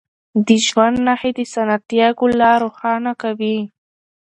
د ژوند نښې د سانتیاګو لار روښانه کوي.